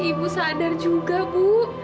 ibu sadar juga bu